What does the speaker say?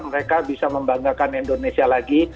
mereka bisa membanggakan indonesia lagi